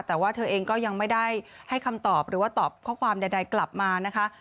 แต่ว่าเธอเองก็ยังไม่ได้ให้คำตอบหรือว่าตอบข้อความใดกลับมานะคะ